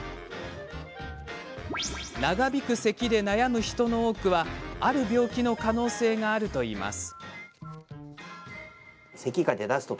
長引くせきで悩む人の多くはある病気の可能性があるといいます。